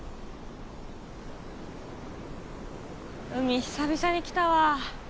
海久々に来たわ。